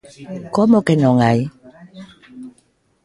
¿Como que non hai?